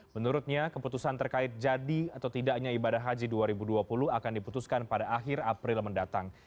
menurutnya keputusan terkait jadi atau tidaknya ibadah haji dua ribu dua puluh akan diputuskan pada akhir april mendatang